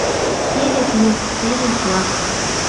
Теве — клуб, теве — флаг.